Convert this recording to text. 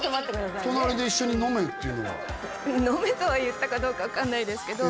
隣で一緒に飲めっていうのは飲めとは言ったかどうか分かんないですけど